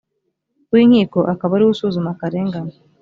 w inkiko akaba ariwe usuzuma akarengane